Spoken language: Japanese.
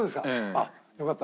あっよかった。